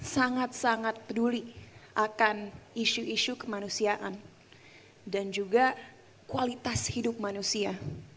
sangat sangat peduli akan isu isu kemanusiaan dan juga kualitas hidup manusia